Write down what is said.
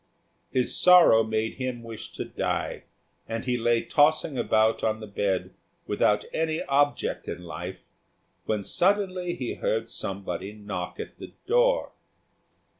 His sorrows made him wish to die, and he lay tossing about on the bed without any object in life, when suddenly he heard somebody knock at the door.